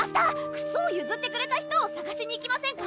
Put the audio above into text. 靴をゆずってくれた人をさがしに行きませんか？